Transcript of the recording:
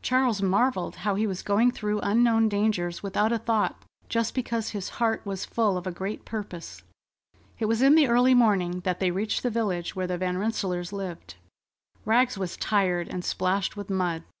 Charles marvelled how he was going through unknown dangers without a thought, just because his heart was full of a great purpose. It was in the early morning that they reached the village where the Van Rensselaers lived. Rags was tired and splashed with mud.